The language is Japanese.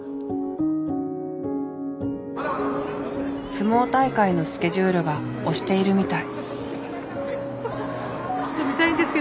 相撲大会のスケジュールが押しているみたい。